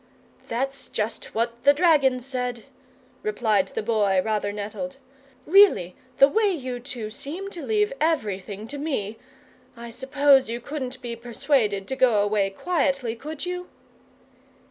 "That's just what the dragon said," replied the Boy, rather nettled. "Really, the way you two seem to leave everything to me I suppose you couldn't be persuaded to go away quietly, could you?"